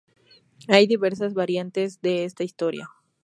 Hay diversas variantes de esta historia.